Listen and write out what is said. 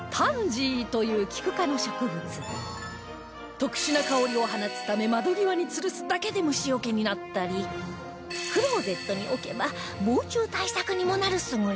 特殊な香りを放つため窓際につるすだけで虫よけになったりクローゼットに置けば防虫対策にもなる優れもの